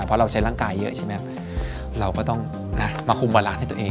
เพราะเราใช้ร่างกายเยอะใช่ไหมเราก็ต้องมาคุมประหลาดให้ตัวเอง